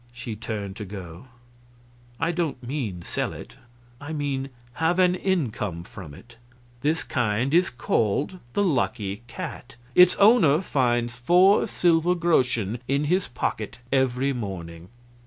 She turned to go. "I don't mean sell it. I mean have an income from it. This kind is called the Lucky Cat. Its owner finds four silver groschen in his pocket every morning."